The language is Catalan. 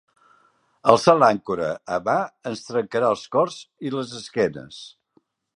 Alçar l'àncora a mà ens trencarà els cors i les esquenes.